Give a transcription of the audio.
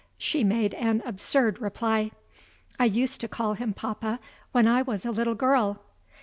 She made an absurd reply: "I used to call him papa when I was a little girl."